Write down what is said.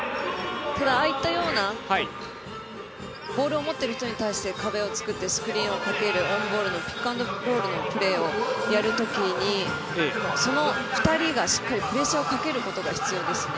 ただ、ああいったようなボールを持っている人に対して壁を作ってスクリーンをかけるオンボールのピックアンドロールのプレーをやるときに、その２人がしっかりとプレッシャーをかけることが必要ですね。